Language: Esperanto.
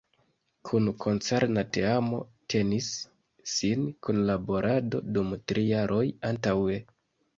Kun koncerna teamo tenis sin kunlaborado dum tri jaroj antaŭe.